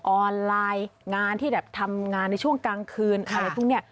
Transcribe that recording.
ออนไลน์งานที่แบบทำงานในช่วงกลางคืนอะไรพวกนี้